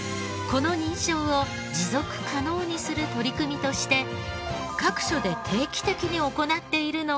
この認証を持続可能にする取り組みとして各所で定期的に行っているのが。